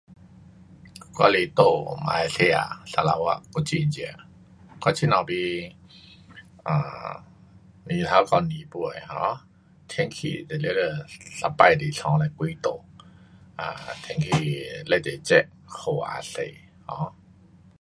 我是住马来西亚砂捞越古晋这，我这头边，um 太阳整个杯的 um 天气是全部一次是三十多度。um 天气非常热，雨也多。um